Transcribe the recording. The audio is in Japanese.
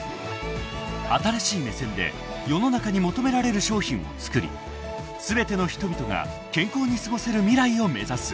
［新しい目線で世の中に求められる商品を作り全ての人々が健康に過ごせる未来を目指す］